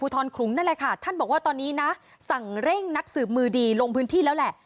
คลุงนั่นแหละค่ะท่านบอกว่าตอนนี้นะสั่งเร่งนักสืบมือดีลงพื้นที่แล้วแหละ